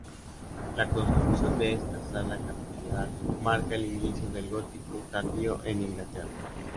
La construcción de esta sala capitular marca el inicio del gótico tardío en Inglaterra.